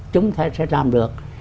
chúng ta sẽ làm được